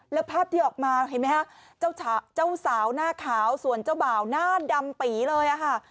แล้วภาพที่ออกมาเห็นไหมฮะเจ้าสาวหน้าขาวส่วนเจ้าบ่าวหน้าดำปีเลยค่ะ